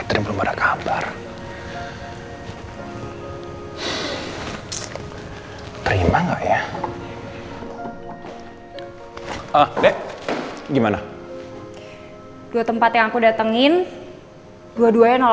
teman romanya yang kecil